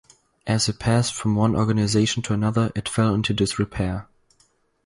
As it passed from one organization to another it fell into disrepair.